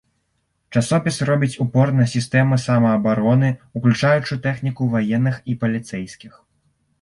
Часопіс робіць упор на сістэмы самаабароны, уключаючы тэхніку ваенных і паліцэйскіх.